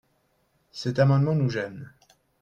Cet amendement nous gêne.